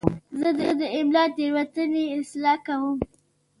زه د املا تېروتنې اصلاح کوم.